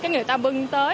người ta bưng tới